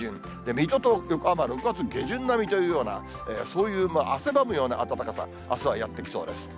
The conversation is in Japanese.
水戸と横浜、６月下旬並みというようなそういう汗ばむような暖かさ、あすはやって来そうです。